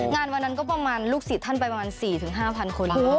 งานวันนั้นก็ประมาณลูกศิษย์ท่านไปประมาณสี่ถึงห้าพันคนค่ะโอ้โฮเยอะมาก